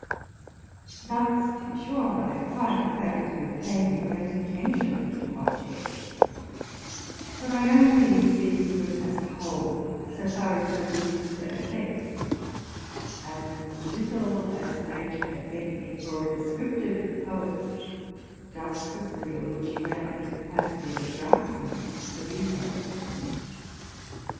Thus, to be sure, I acquired the faculty of paying a great attention to objects; but I only seized them as a whole, so far as they preduced an effect: and, little as Nature had meant me for a descriptive poet, just as little would she grant me the capacity of a draughtsman for details.